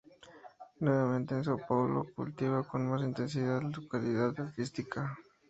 Nuevamente en São Paulo, cultiva con más intensidad su calidad artística.